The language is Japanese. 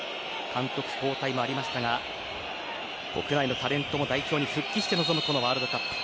監督交代もありましたが国内のタレントも代表に復帰して臨むこのワールドカップ。